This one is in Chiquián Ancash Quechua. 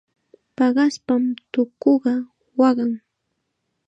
Paqaspam tukuqa waqan.